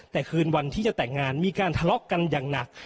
แต่คืนวันที่จะแต่งงานมีการทะเลาะกันอย่างหนัก